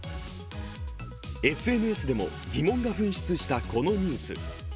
ＳＮＳでも疑問が噴出したこのニュース。